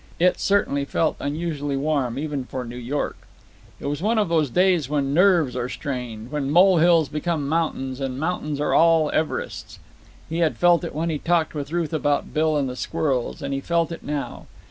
It certainly felt unusually warm even for New York. It was one of those days when nerves are strained, when molehills become mountains, and mountains are all Everests. He had felt it when he talked with Ruth about Bill and the squirrels, and he felt it now.